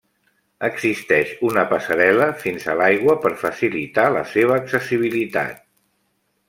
Existeix una passarel·la fins a l’aigua per facilitar la seva accessibilitat.